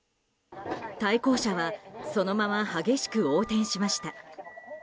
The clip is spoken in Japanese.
対向車がそのまま激しく横転しました。